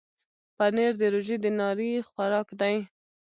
پنېر د روژې د ناري خوراک دی.